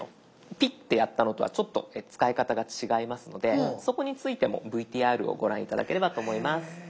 ピッてやったのとはちょっと使い方が違いますのでそこについてもＶＴＲをご覧頂ければと思います。